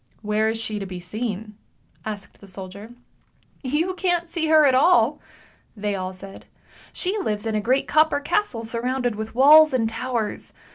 " Where is she to be seen? " asked the soldier. " You can't see her at all! " they all said; " she lives in a great copper castle surrounded with walls and towers.